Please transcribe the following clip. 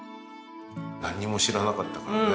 なんにも知らなかったからね。